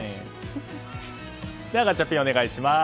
ではガチャピン、お願いします。